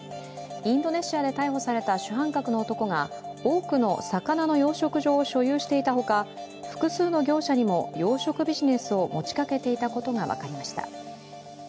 インドネシアで逮捕された主犯格の男が多くの魚の養殖場を所有していたほか複数の業者にも養殖ビジネスを持ちかけていたことが分かりました。